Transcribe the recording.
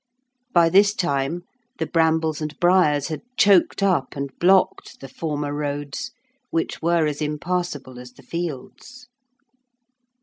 By this time the brambles and briars had choked up and blocked the former roads, which were as impassable as the fields.